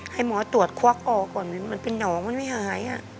ให้หมอตรวจควักขอไม่หาย